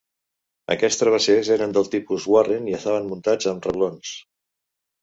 Aquests travessers eren del tipus Warren i estaven muntats amb reblons.